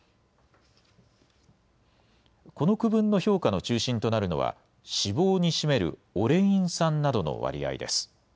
この区分の評価の中心となるのは、脂肪に占めるオレイン酸などの割合です。